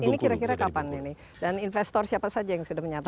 dan investor siapa saja yang sudah menyatakan